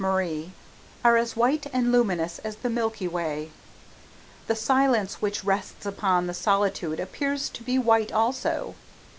Marie are as white and luminous as the Milky Way. The silence which rests upon the solitude appears to be white also.